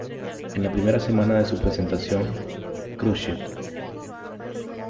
En la primera semana de su presentación, "Crush It!